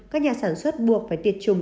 các nhà sản xuất buộc phải tiệt trùng